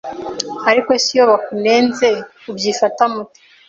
ariko se iyo bakunenze ubyifatamo ute